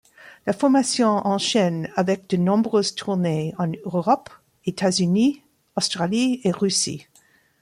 La formation enchaîne avec de nombreuses tournées en Europe, États-Unis, Australie et Russie.